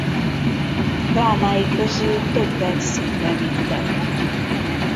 Drámái közül többet színre vittek.